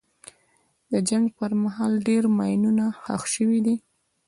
د جنګ پر مهال ډېر ماینونه ښخ شوي دي.